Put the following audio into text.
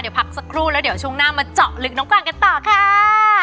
เดี๋ยวพักสักครู่แล้วเดี๋ยวช่วงหน้ามาเจาะลึกน้องกวางกันต่อค่ะ